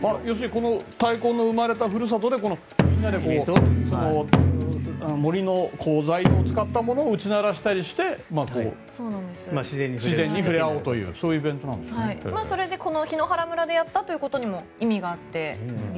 この太鼓の生まれたふるさとでみんなで森の古材を使ったものを打ち鳴らしたりして自然と触れ合おうというこの檜原村でやったということも意味があって。